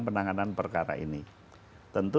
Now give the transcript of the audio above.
penanganan perkara ini tentu